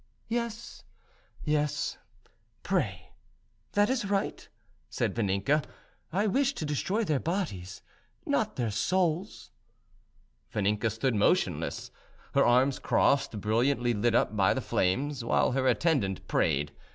"Yes, yes, pray; that is right," said Vaninka. "I wish to destroy their bodies, not their souls." Vaninka stood motionless, her arms crossed, brilliantly lit up by the flames, while her attendant prayed.